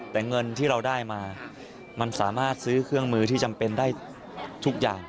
แต่เงินที่เราได้มามันสามารถซื้อเครื่องมือที่จำเป็นได้ทุกอย่าง